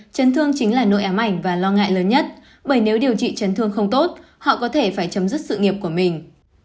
chấn thương chính là nội ám ảnh và lo ngại lớn nhất bởi nếu điều trị chấn thương không tốt họ có thể phải chấm dứt sự nghiệp của mình